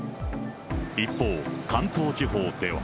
一方、関東地方では。